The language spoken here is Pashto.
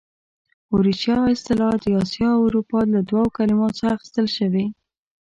اوریشیا اصطلاح د اسیا او اروپا له دوو کلمو څخه اخیستل شوې.